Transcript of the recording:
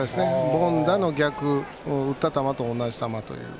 凡打の逆、打った球と同じ球という。